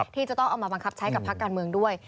ที่จะต้องเอามาบังคับใช้กับพักการเมืองด้วย